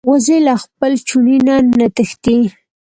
وزې له خپل چوڼي نه نه تښتي